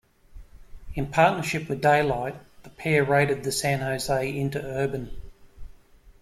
In partnership with Daylight, the pair raided the San Jose Interurban.